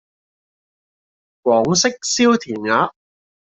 廣式燒填鴨